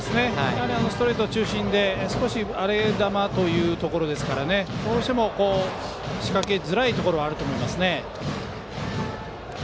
ストレート中心で少し荒れ球というところですからどうしても仕掛けづらいところはあると思います。